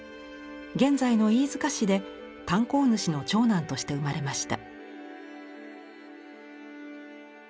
現在の飯塚市で炭鉱主の長男として生まれました。